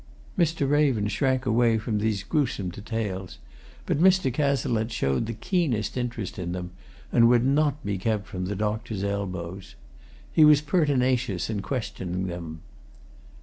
Mr. Raven shrank away from these gruesome details, but Mr. Cazalette showed the keenest interest in them, and would not be kept from the doctor's elbows. He was pertinacious in questioning them.